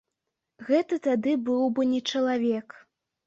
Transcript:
Гэта тады быў бы не чалавек.